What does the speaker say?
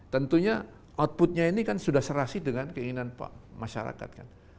tentunya outputnya ini kan sudah serasi dengan keinginan masyarakat kan